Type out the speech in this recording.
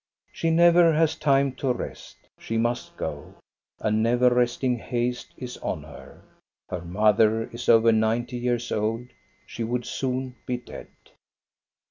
She never has time to rest She must go. A never resting haste is on her. Her mother is over ninety years old. She would soon be dead.